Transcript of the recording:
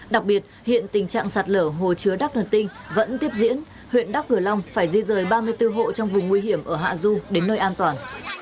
đặc biệt hiện tình trạng sạt lở hồ chứa đắc thần tinh vẫn tiếp diễn huyện đắc hửa long phải di rời ba mươi bốn hộ trong vùng nguy hiểm ở hạ du đến nơi an toàn